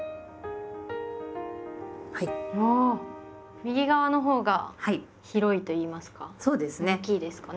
右側のほうが広いといいますか大きいですかね。